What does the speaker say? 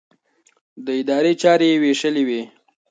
د ادارې چارې يې وېشلې وې.